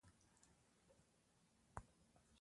دا رڼا لاره ښکاره کوي.